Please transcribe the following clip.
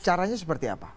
caranya seperti apa